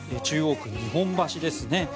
中央区日本橋ですね。